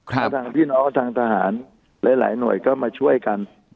แล้วทางพี่น้องทางทหารหลายหน่วยก็มาช่วยกัน